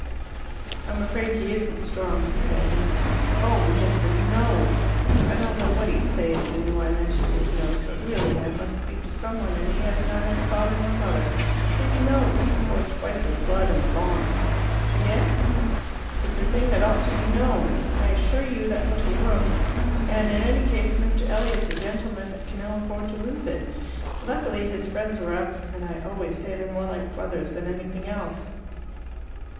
"I'm afraid he isn't strong," said Agnes. "Oh, miss, his nose! I don't know what he'd say if he knew I mentioned his nose, but really I must speak to someone, and he has neither father nor mother. His nose! It poured twice with blood in the Long." "Yes?" "It's a thing that ought to be known. I assure you, that little room!... And in any case, Mr. Elliot's a gentleman that can ill afford to lose it. Luckily his friends were up; and I always say they're more like brothers than anything else."